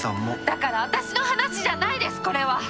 だから私の話じゃないですこれは。